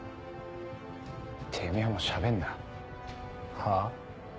てめぇもうしゃべんな。は？